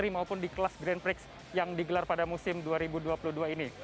maupun di kelas grand prix yang digelar pada musim dua ribu dua puluh dua ini